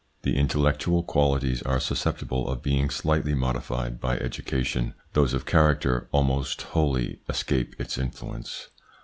The intellectual qualities are susceptible of being slightly modified by education ; those of character almost wholly escape its influence.